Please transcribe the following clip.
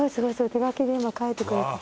手書きで今書いてくれてる。